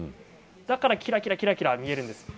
だからキラキラキラキラ見えるんです。